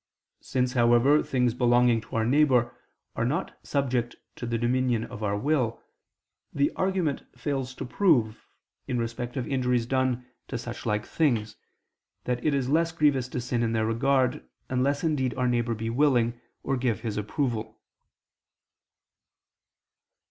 Since, however, things belonging to our neighbor are not subject to the dominion of our will, the argument fails to prove, in respect of injuries done to such like things, that it is less grievous to sin in their regard, unless indeed our neighbor be willing, or give his approval.